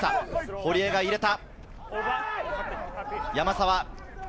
堀江が入れた。